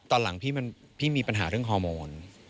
ตอนหลังพี่มีปัญหาเรื่องฮอร์โมน